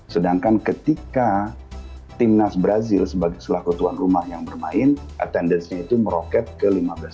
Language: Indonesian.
sedangkan ketika timnas brazil sebagai selaku tuan rumah yang bermain attendance nya itu meroket ke lima belas